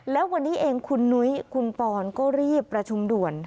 แล้ววันนี้เองคุณนุ้ยคุณปอนก็รีบประชุมด่วน